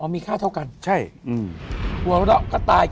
มีค่าเท่ากันใช่หัวเราะก็ตาย